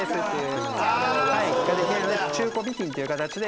中古美品という形で。